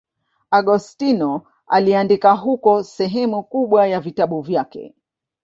Agostino aliandika huko sehemu kubwa ya vitabu vyake.